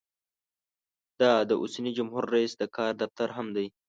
دا د اوسني جمهور رییس د کار دفتر هم دی.